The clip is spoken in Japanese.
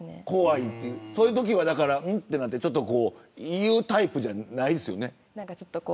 そういうときは言うタイプじゃないですよね。